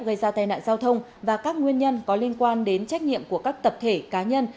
gây ra tai nạn giao thông và các nguyên nhân có liên quan đến trách nhiệm của các tập thể cá nhân